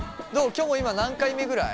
きょも今何回目ぐらい？